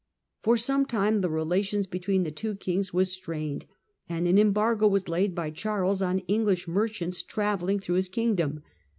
For some time the relations between the two kings were strained, and an embargo was laid by Charles on English merchants travelling through his kingdom.